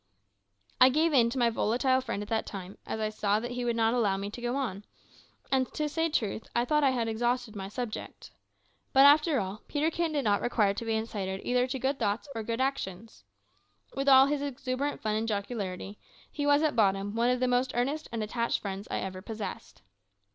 I gave in to my volatile friend at that time, as I saw that he would not allow me to go on, and, to say truth, I thought that I had exhausted my subject. But, after all, Peterkin did not require to be incited either to good thoughts or good actions. With all his exuberant fun and jocularity, he was at bottom one of the most earnest and attached friends I ever possessed.